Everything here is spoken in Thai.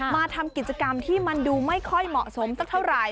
มาทำกิจกรรมที่มันดูไม่ค่อยเหมาะสมสักเท่าไหร่